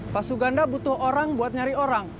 pak suganda butuh orang buat nyari orang